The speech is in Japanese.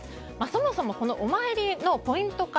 そもそも、お参りのポイント化。